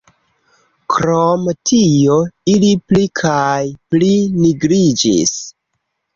Krom tio, ili pli kaj pli nigriĝis.